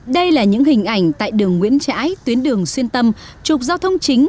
đây là những hình ảnh tại đường nguyễn trãi tuyến đường xuyên tâm trục giao thông chính